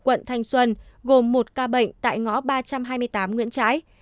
các bệnh nhân ở phường thành trung quận thanh xuân gồm một ca bệnh tại ngõ ba trăm hai mươi tám nguyễn trái